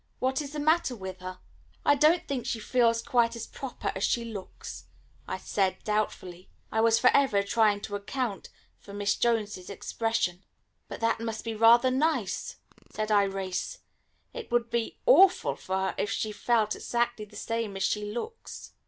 What is the matter with her?" "I don't think she feels quite as proper as she looks," I said doubtfully; I was for ever trying to account for Miss Jones's expression. "But that must be rather nice," said Irais. "It would be awful for her if she felt exactly the same as she looks."